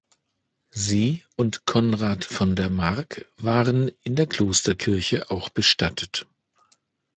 Sie und Konrad von der Mark waren in der Klosterkirche auch bestattet.